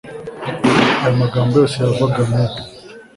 ayo magambo yose yavaga mu